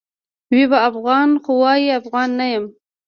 وي به افغان؛ خو وايي افغان نه یمه